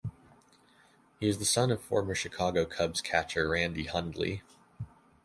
He is the son of former Chicago Cubs catcher Randy Hundley.